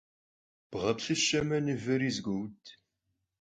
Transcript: Bğeplhışeme, mıveri zeguoud.